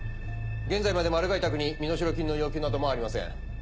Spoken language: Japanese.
現在までマル害宅に身代金の要求などもありません。